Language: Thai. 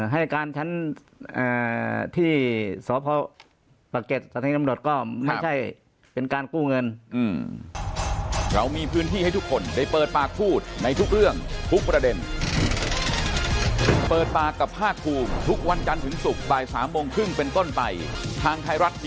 ให้การชั้นที่สพปะเก็ตสถานีตำรวจก็ไม่ใช่เป็นการกู้เงิน